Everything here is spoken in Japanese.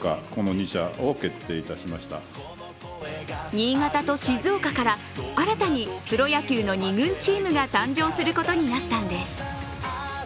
新潟と静岡から新たにプロ野球の２軍チームが誕生することになったのです。